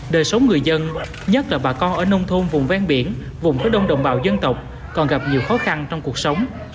đời số người dân nhất là bà con ở nông thôn vùng vang biển vùng phố đông đồng bào dân tộc còn gặp nhiều khó khăn trong cuộc sống